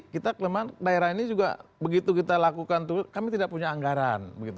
kita kelemahan daerah ini juga begitu kita lakukan kami tidak punya anggaran